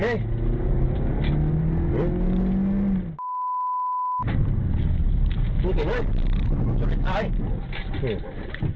สุโบราษกูเจอแอ